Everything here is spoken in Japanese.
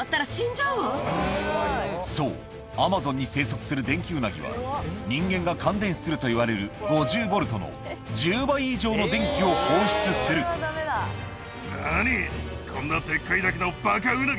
そうアマゾンに生息するデンキウナギは人間が感電死するといわれる５０ボルトの１０倍以上の電気を放出するなに。